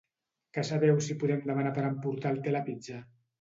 Que sabeu si podem demanar per emportar al Telepizza?